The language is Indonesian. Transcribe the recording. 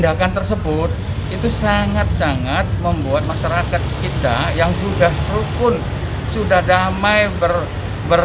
aku ingin melakukan apa apa